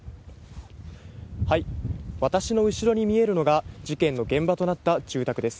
私の後ろに見えるのが、事件の現場となった住宅です。